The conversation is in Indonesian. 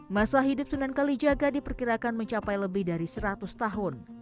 masa hidup sunan kalijaga diperkirakan mencapai lebih dari seratus tahun